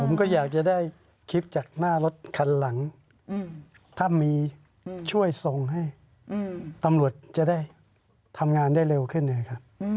ผมก็อยากจะได้คลิปจากหน้ารถคันหลังถ้ามีช่วยส่งให้ตำรวจจะได้ทำงานได้เร็วขึ้นไงครับ